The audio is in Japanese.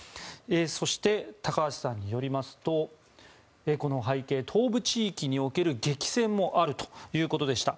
そして、高橋さんによりますとこの背景、東部地域における激戦もあるということでした。